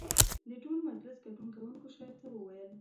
د ټول مجلس ګډون کوونکو شاعر ته وویل.